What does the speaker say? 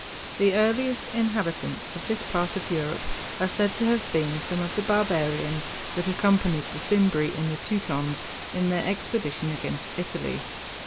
The earliest inhabitants of this part of Europe are said to have been some of the barbarians that accompanied the Cimbri and Teutons in their expedition against Italy.